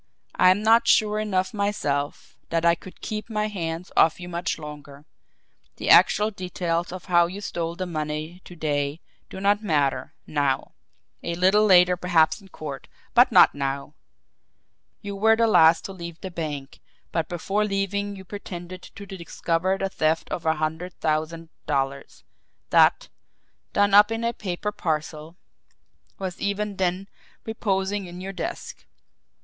"I'm not sure enough myself that I could keep my hands off you much longer. The actual details of how you stole the money to day do not matter NOW. A little later perhaps in court but not now. You were the last to leave the bank, but before leaving you pretended to discover the theft of a hundred thousand dollars that, done up in a paper parcel, was even then reposing in your desk.